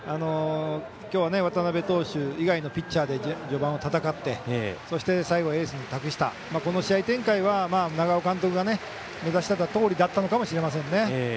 今日は、渡辺投手以外のピッチャーで序盤は戦って最後エースに託したこの試合展開は長尾監督が目指していたとおりだったのかもしれませんね。